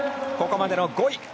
ここまでの５位。